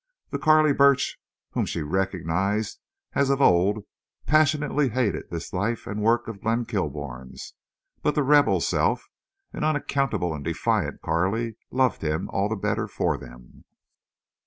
The Carley Burch whom she recognized as of old, passionately hated this life and work of Glenn Kilbourne's, but the rebel self, an unaccountable and defiant Carley, loved him all the better for them.